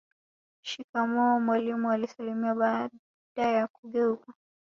Shikamoo mwalimu alisalimia baada ya kugeuka